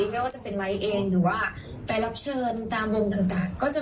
เขาดังมากน่ะ